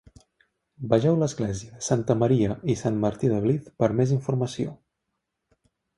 Vegeu l'església de santa Maria i sant Martí de Blyth per a més informació.